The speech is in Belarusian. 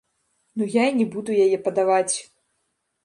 Ну, я і не буду яе падаваць!